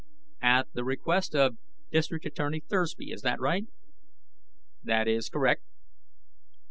"At the request of District Attorney Thursby, is that right?" "That is correct."